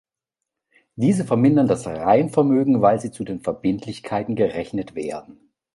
Diese vermindern das Reinvermögen, weil sie zu den Verbindlichkeiten gerechnet werden.